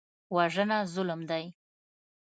وژنه ظلم دی